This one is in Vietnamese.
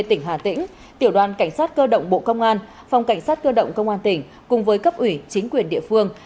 tỉnh hà tĩnh tiểu đoàn cảnh sát cơ động bộ công an phòng cảnh sát cơ động công an tỉnh cùng với cấp ủy chính quyền địa phương